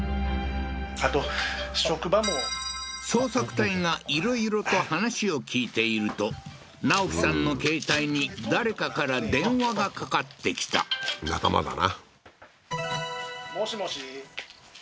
あと職場も捜索隊がいろいろと話を聞いていると直樹さんの携帯に誰かから電話がかかってきた仲間だな